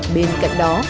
bên cạnh đó